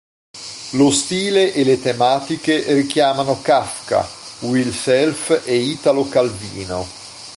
Lo stile e le tematiche richiamano Kafka, Will Self e Italo Calvino.